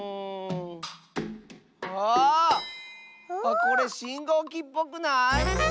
これしんごうきっぽくない？